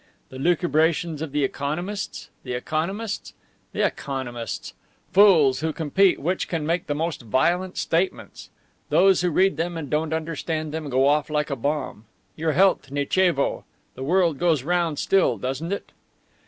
the lucubrations of the economists? The economists? The economists! Fools who compete which can make the most violent statements! Those who read them and don't understand them go off like a bomb! Your health! Nichevo! The world goes round still, doesn't it?